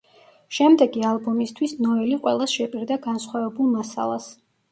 შემდეგი ალბომისთვის ნოელი ყველას შეპირდა განსხვავებულ მასალას.